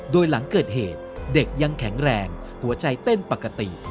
โดยหลังเกิดเหตุเด็กยังแข็งแรงหัวใจเต้นปกติ